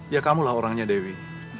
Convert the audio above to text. ya kamu lah orangnya dewi